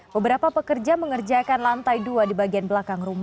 beberapa pekerja mengerjakan lantai dua di bagian belakang